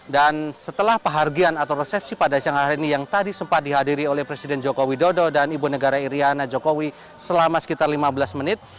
dan setelah pehargian atau resepsi pada siang hari ini yang tadi sempat dihadiri oleh presiden jokowi dodo dan ibu negara iryana jokowi selama sekitar lima belas menit